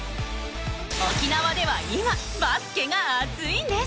沖縄では今バスケが熱いんです！